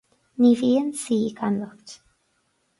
Ní bhíonn saoi gan locht